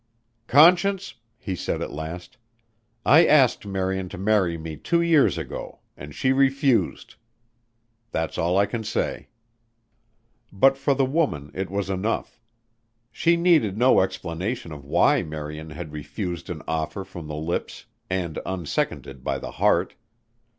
"Conscience," he said at last, "I asked Marian to marry me two years ago and she refused. That's all I can say." But for the woman it was enough. She needed no explanation of why Marian had refused an offer from the lips and unseconded by the heart.